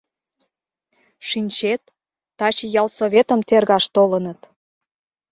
— Шинчет, таче ялсоветым тергаш толыныт.